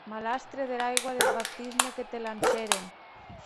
Malastre dera aigua deth baptisme que te lancèren!